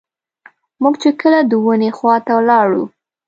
موږ چې کله د ونې خواته لاړو.